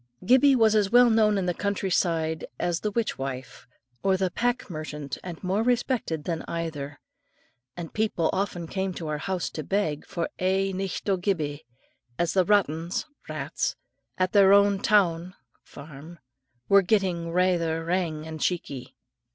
Gibbie was as well known in the country side as the witch wife, or the pack merchant, and more respected than either; and people often came to our house to beg for "ae nicht o' Gibbie," as "the rottens (rats) at their town (farm) were gettin' raither thrang and cheeky."